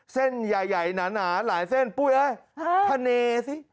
เส้นใหญ่หนาหลายเส้นปุ้ยเอ้ยทะเลสิ